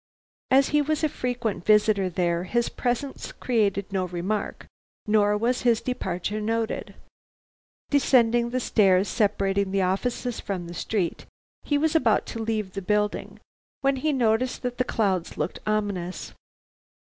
As he was a frequent visitor there, his presence created no remark nor was his departure noted. Descending the stairs separating the offices from the street, he was about to leave the building, when he noticed that the clouds looked ominous.